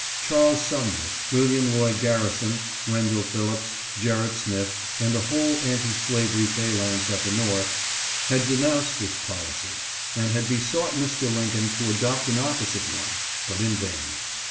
Charles Sumner, William Lloyd Garrison, Wendell Phillips, Gerrit Smith and the whole anti slavery phalanx at the North, had denounced this policy, and had besought Mr. Lincoln to adopt an opposite one, but in vain.